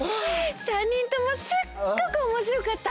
３人ともすっごくおもしろかった！